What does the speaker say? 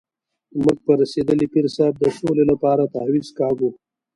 موږ په رسېدلي پیر صاحب د سولې لپاره تعویض کاږو.